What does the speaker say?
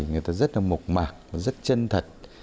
người ta rất là mộc mạc rất chân thật